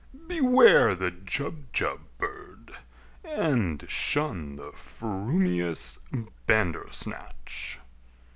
Beware the Jubjub bird, and shun The frumious Bandersnatch!"